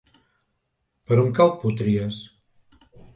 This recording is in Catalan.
Per on cau Potries?